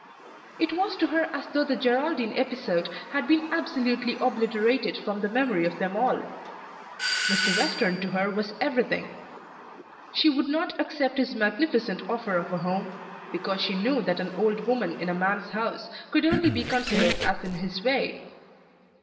It was to her as though the Geraldine episode had been absolutely obliterated from the memory of them all. Mr. Western to her was everything. She would not accept his magnificent offer of a home, because she knew that an old woman in a man's house could only be considered as in his way.